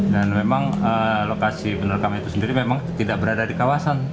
dan memang lokasi penerkaman itu sendiri memang tidak berada di kawasan tngl pak